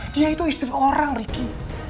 dia itu istri orang ricky